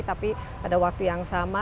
tapi pada waktu yang sama